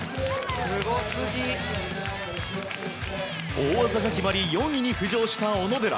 大技が決まり４位に浮上した小野寺。